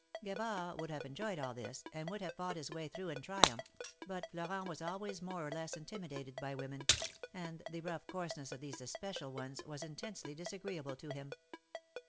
Gavard would have enjoyed all this, and would have fought his way through in triumph, but Florent was always more or less intimidated by women, and the rough coarseness of these especial ones was intensely disagreeable to him.